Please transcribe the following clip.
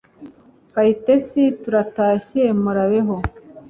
Kayitesi Turatashye murabeho